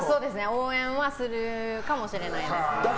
応援はするかもしれないです。